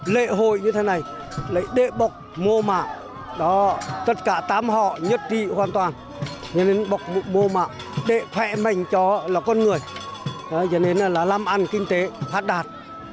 lễ hội như thế này để bọc mô mạng tất cả tám họ nhất trị hoàn toàn bọc mô mạng để khẽ mảnh cho con người làm ăn kinh tế phát đạt